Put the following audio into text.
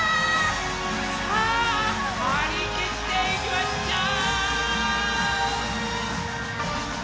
さあはりきっていきましょう！